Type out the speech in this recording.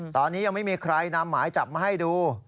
ตอนนี้ยังไม่มีใครนำหมายจับมาให้ดู